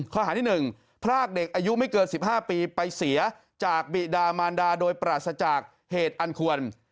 ข้อหาที่๑พรากเด็กอายุไม่เกิน๑๕ปีไปเสียจากบิดามานดาโดยปราศจากเหตุอันควร